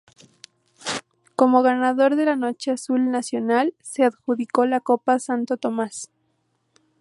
Como ganador de la Noche Azul, Nacional se adjudicó la Copa Santo Tomás.